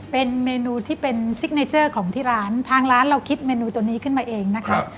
เป็นเมนูที่เป็นซิกเนเจอร์ของที่ร้านทางร้านเราคิดเมนูตัวนี้ขึ้นมาเองนะคะ